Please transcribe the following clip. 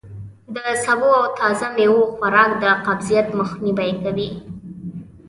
د سبو او تازه میوو خوراک د قبضیت مخنوی کوي.